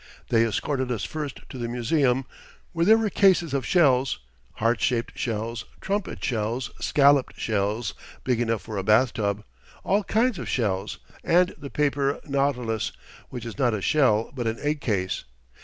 They escorted us first to the museum, where there were cases of shells heart shaped shells, trumpet shells, scalloped shells big enough for a bathtub all kinds of shells, and the paper nautilus, which is not a shell but an egg case.